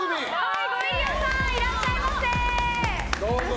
ご入り用さん、いらっしゃいませ。